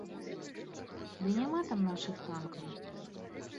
Ды няма там нашых танкаў!